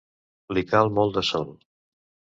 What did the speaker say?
Li cal molt de sol.